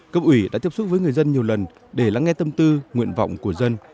cấp ủy đã tiếp xúc với người dân nhiều lần để lắng nghe tâm tư nguyện vọng của dân